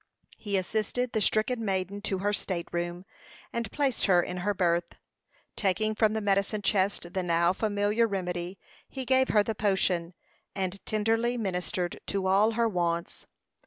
He assisted the stricken maiden to her state room, and placed her in her berth. Taking from the medicine chest the now familiar remedy, he gave her the potion, and tenderly ministered to all her wants.